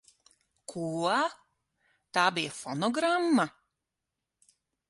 Ko? Tā bija fonogramma?